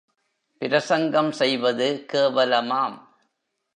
பிரசங்கம் செய்வது கேவலமாம்.